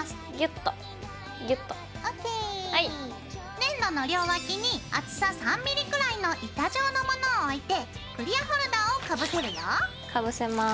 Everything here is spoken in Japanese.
粘土の両脇に厚さ３ｍｍくらいの板状のものを置いてクリアホルダーをかぶせるよ。かぶせます。